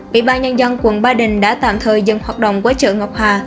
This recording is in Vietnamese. bị ba nhân dân quận ba đình đã tạm thời dừng hoạt động của chợ ngọc hà